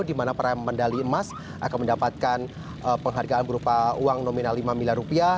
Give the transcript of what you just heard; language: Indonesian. di mana para medali emas akan mendapatkan penghargaan berupa uang nominal lima miliar rupiah